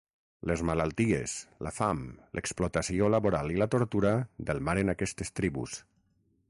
Les malalties, la fam, l'explotació laboral i la tortura delmaren aquestes tribus.